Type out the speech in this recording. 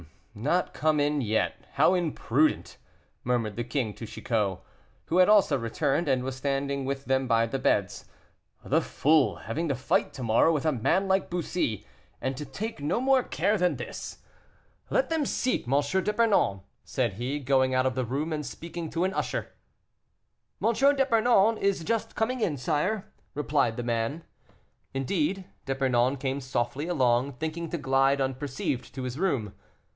"Not come in yet; how imprudent," murmured the king to Chicot, who had also returned, and was standing with them by their beds. "The fool; having to fight to morrow with a man like Bussy, and to take no more care than this. Let them seek M. d'Epernon," said he, going out of the room, and speaking to an usher. "M. d'Epernon is just coming in, sire," replied the man. Indeed, D'Epernon came softly along, thinking to glide unperceived to his room.